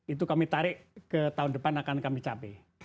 itu kami tarik ke tahun depan akan kami capai